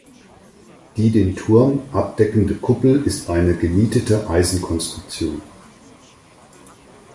Die den Turm abdeckende Kuppel ist eine genietete Eisenkonstruktion.